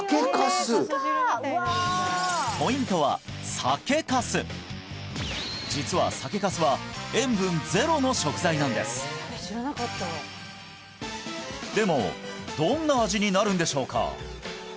ポイントは酒粕実は酒粕は塩分ゼロの食材なんですでもどんな味になるんでしょうか？